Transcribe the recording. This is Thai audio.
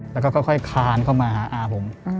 แล้วก็ค่อยคานเข้ามาหาอาผม